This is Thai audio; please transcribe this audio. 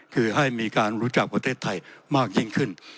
คือให้มีการรู้จักประเทศไทยมากยิ่งขึ้น